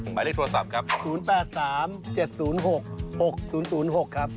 หมายเลขโทรศัพท์ครับ๐๘๓๗๐๖๖๐๐๖ครับ